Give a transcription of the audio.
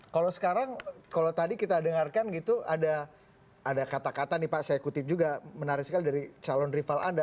kalau sekarang kalau tadi kita dengarkan gitu ada kata kata nih pak saya kutip juga menarik sekali dari calon rival anda